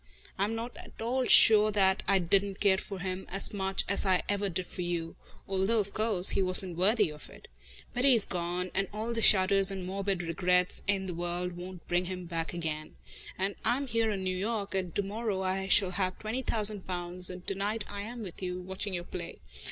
I am not at all sure that I didn't care for him as much as I ever did for you, although, of course, he wasn't worthy of it. But he's gone, and all the shudders and morbid regrets in the world won't bring him back again. And I am here in New York, and to morrow I shall have twenty thousand pounds, and to night I am with you, watching your play.